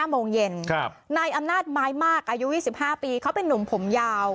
โมงเย็นนายอำนาจไม้มากอายุ๒๕ปีเขาเป็นนุ่มผมยาว